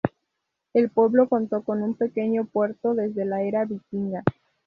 El pueblo contó con un pequeño puerto desde la era vikinga.